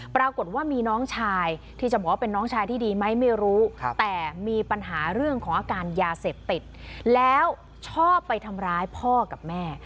ปรากฏว่ามีน้องชายที่จะบอกว่าเป็นน้องชายที่ดีไหมไม่รู้แต่มีปัญหาเรื่องของอาการยาเสพติดแล้วชอบไปทำร้ายพ่อกับแม่